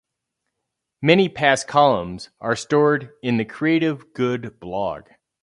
Many past columns are stored in the Creative Good blog.